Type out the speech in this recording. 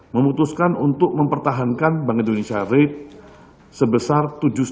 memutuskan untuk mempertahankan bank indonesia rate sebesar tujuh sembilan